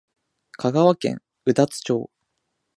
香川県宇多津町